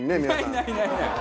ないないないない！